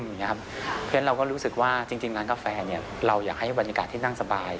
เพราะฉะนั้นเราก็รู้สึกว่าจริงร้านกาแฟเราอยากให้บรรยากาศที่นั่งสบาย